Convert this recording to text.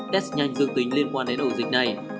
test nhanh dương tính liên quan đến ổ dịch này